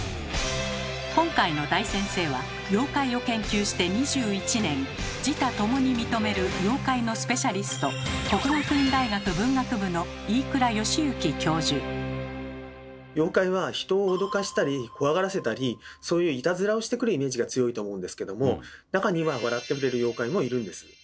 今回の大先生は妖怪を研究して２１年自他ともに認める妖怪のスペシャリスト妖怪は人を脅かしたり怖がらせたりそういういたずらをしてくるイメージが強いと思うんですけども中には笑ってくれる妖怪もいるんです。